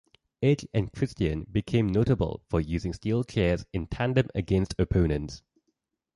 Edge and Christian became notable for using steel chairs in tandem against opponents.